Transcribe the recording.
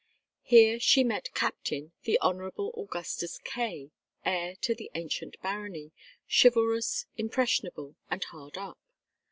Here she met Captain, the Honorable Augustus Kaye, heir to an ancient barony, chivalrous, impressionable, and hard up.